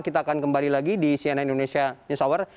kita akan kembali lagi di cnn indonesia news hour